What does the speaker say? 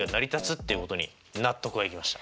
っていうことに納得がいきました。